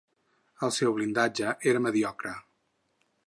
El seu blindatge era mediocre.